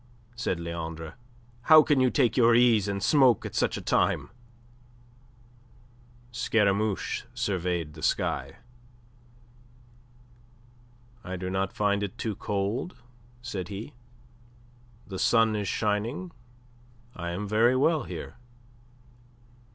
said Leandre. "How can you take your ease and smoke at such a time?" Scaramouche surveyed the sky. "I do not find it too cold," said he. "The sun is shining. I am very well here."